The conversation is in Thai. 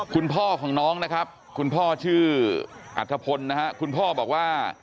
คุณพ่อของน้องนะครับคุณพ่อชื่ออัธพลนะฮะคุณพ่อบอกว่า